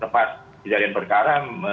tepat di jari berkaram